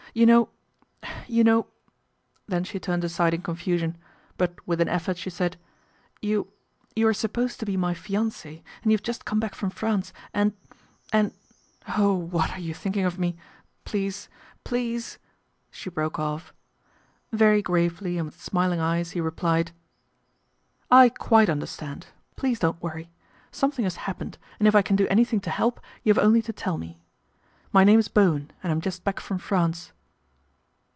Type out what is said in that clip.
You know you know " then she turned aside in confusion ; but with an effort she said *" You you are supposed to be my fiance", and you've just come back from France, and and Oh ! what are you thinking of me ? Please please " she broke off. Very gravely and with smiling eyes he replied, " I quite understand. Please don't worry. Some thing has happened, and if I can do anything to help, you have only to tell me. My name is Bowen, and I'm just back from France."